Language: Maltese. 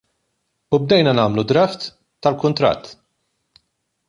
U bdejna nagħmlu draft tal-kuntratt.